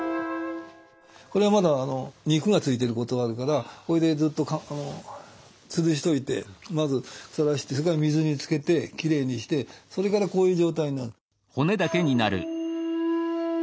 これはまだ肉がついてることもあるからこれでずっとつるしといてまず腐らしてそれから水につけてきれいにしてそれからこういう状態になる。